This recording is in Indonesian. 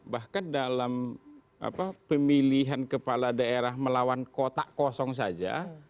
bahkan dalam pemilihan kepala daerah melawan kotak kosong saja